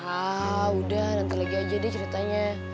ah udah nanti lagi aja deh ceritanya